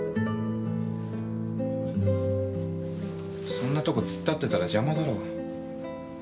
そんなとこ突っ立ってたら邪魔だろ。